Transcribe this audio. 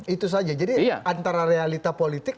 itu saja jadi antara realita politik